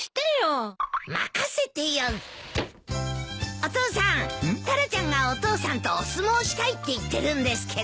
お父さんタラちゃんがお父さんとお相撲したいって言ってるんですけど。